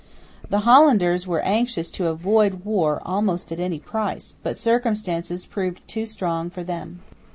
The Hollanders were anxious to avoid war almost at any price, but circumstances proved too strong for them.